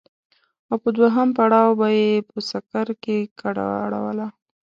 او په دوهم پړاو به يې په سکر کې کډه اړوله.